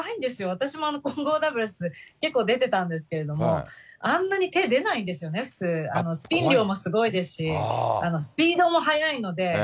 私も混合ダブルス、結構出てたんですけれども、あんなに手、出ないんですよね、普通、スピン量もすごいですし、スピードも速いので。